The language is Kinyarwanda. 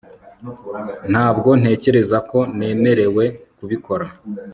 ntabwo ntekereza ko nemerewe kubikora